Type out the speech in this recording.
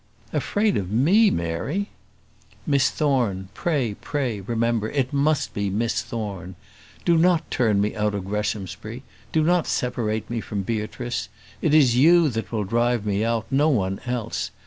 "Afraid of me, Mary!" "Miss Thorne; pray, pray, remember. It must be Miss Thorne. Do not turn me out of Greshamsbury. Do not separate me from Beatrice. It is you that will drive me out; no one else.